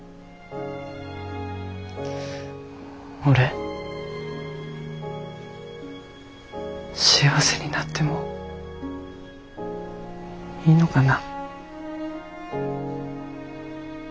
俺幸せになってもいいのかな。